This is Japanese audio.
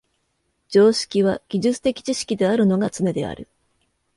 常識は技術的知識であるのがつねである。